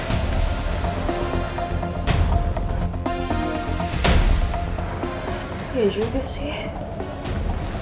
ya juga sih